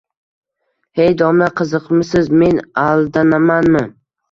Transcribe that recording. Ey, domla, qiziqmisiz, men aldanamanmi?